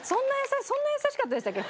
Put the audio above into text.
そんな優しかったでしたっけ？